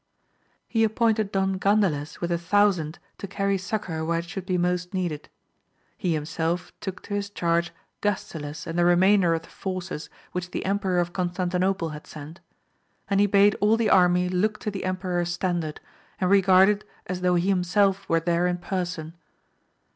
He appointed Don Gandales with a thousand to carry succour where it should be most needed. He himself took to his charge Gastiles and the remainder of the forces which the Emperor of Constantinople had sent ; and he bade all the army look to the emperor's standard, and regard it as though he himself were there in person.